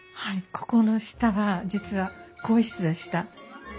ここの下は実は更衣室でした。